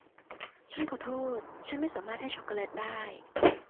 ฉันขอโทษฉันไม่สามารถให้ช็อกโกแลตได้